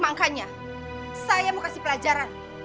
makanya saya mau kasih pelajaran